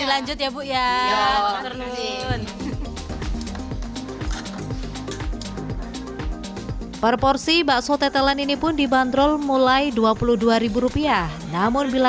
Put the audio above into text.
lanjut ya bu yan proporsi bakso tetelan ini pun dibanderol mulai dua puluh dua rupiah namun bila